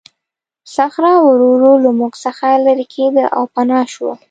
صخره ورو ورو له موږ څخه لیرې کېده او پناه شوه.